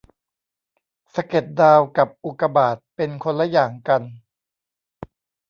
สะเก็ดดาวกับอุกาบาตเป็นคนละอย่างกัน